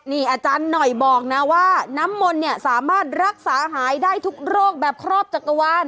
นี่อาจารย์หน่อยบอกนะว่าน้ำมนต์เนี่ยสามารถรักษาหายได้ทุกโรคแบบครอบจักรวาล